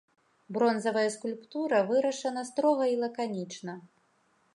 Бронзавая скульптура вырашана строга і лаканічна.